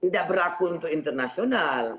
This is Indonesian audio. tidak berlaku untuk internasional